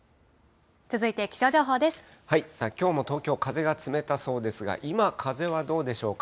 きょうも東京、風が冷たそうですが、今、風はどうでしょうか、